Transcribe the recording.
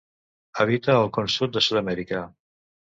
Habita el Con Sud de Sud-amèrica.